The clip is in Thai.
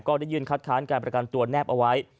ได้ยื่นคัดค้านการประกันตัวแนบเอาไว้